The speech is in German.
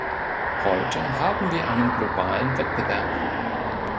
Heute haben wir einen globalen Wettbewerb.